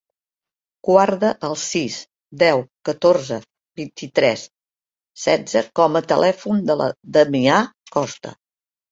Guarda el sis, deu, catorze, vint-i-tres, setze com a telèfon de la Damià Costa.